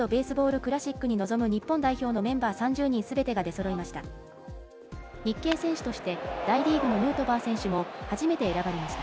クラシックに臨む日本代表のメンバー３０人すべてが出そろいました。